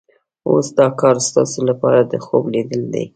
اوس دا کار ستاسو لپاره د خوب لیدل دي.